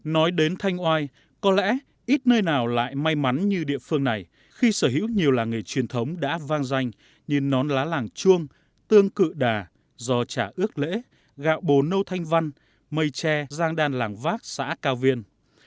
nói đến thanh oai có lẽ ít nơi nào lại may mắn như địa phương này khi sở hữu nhiều làng nghề truyền thống đã vang danh như nón lá làng chuông tương cự đà giò chả ước lễ gạo bồ nâu thanh văn mây tre giang đan làng vác xã cao viên